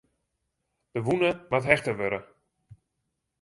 De wûne moat hechte wurde.